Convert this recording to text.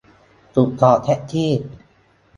จุดจอดแท็กซี่